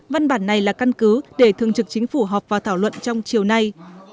văn bản này là căn cứ để thương trực chính phủ họp và thảo luận trong chiều nay